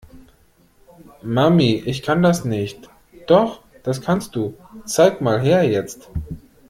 Mami, ich kann das nicht. Doch, das kannst du. Zeig mal her jetzt.